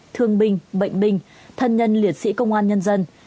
thương binh bệnh binh thân nhân liệt sĩ công an nhân dân